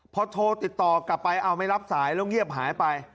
พอโทรติดต่อกลับไปเอาไม่รับสายแล้วเงียบหายไป